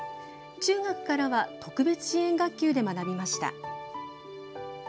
中学からは特別支援学級で学びました。